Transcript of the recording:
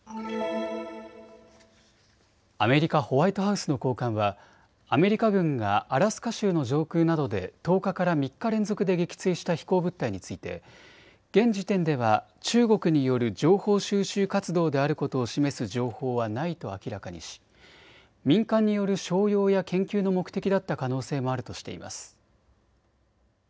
アメリカ・ホワイトハウスの高官はアメリカ軍がアラスカ州の上空などで１０日から３日連続で撃墜した飛行物体について現時点では中国による情報収集活動であることを示す情報はないと明らかにし民間による商用や研究の目的だった可能性もあるとしています。